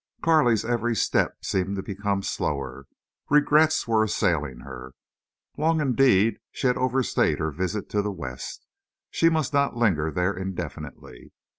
Carley's every step seemed to become slower. Regrets were assailing her. Long indeed had she overstayed her visit to the West. She must not linger there indefinitely.